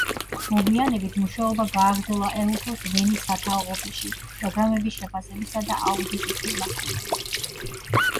მოგვიანებით, მუშაობა გააგრძელა ეუთოს ვენის სათაო ოფისში პროგრამების შეფასებისა და აუდიტის მიმართულებით.